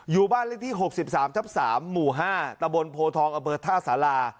อยู่บ้านเลขที่๖๓ทับ๓หมู่๕ตะบนโพทองอำเภอท่าสารา